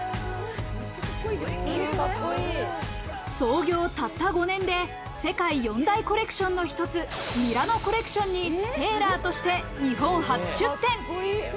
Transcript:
創業たった５年で世界４大コレクションの一つ、ミラノコレクションにテーラーとして日本初出店。